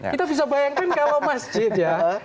kita bisa bayangkan kalau masjid ya